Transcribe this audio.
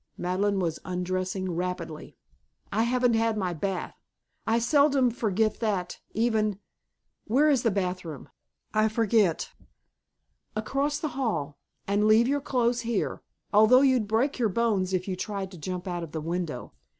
Madeleine was undressing rapidly. "I haven't had my bath. I seldom forget that, even where is the bath room? I forget." "Across the hall. And leave your clothes here. Although you'd break your bones if you tried to jump out of the window.